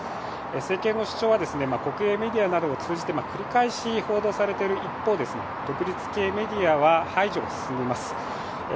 政権の主張は国営メディアなどを通じて繰り返し報道されている一方、独立系メディアは排除が進んでいます。